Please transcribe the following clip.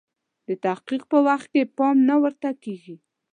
د تحقیق په وخت کې پام نه ورته کیږي.